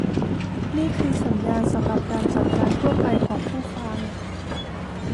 นี่คือสัญญาณสำหรับการจัดการทั่วไปของผู้ฟัง